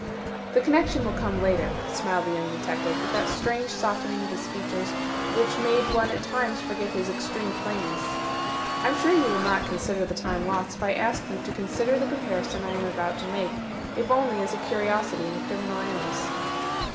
"The connection will come later," smiled the young detective, with that strange softening of his features which made one at times forget his extreme plainness. "I'm sure you will not consider the time lost if I ask you to consider the comparison I am about to make, if only as a curiosity in criminal annals."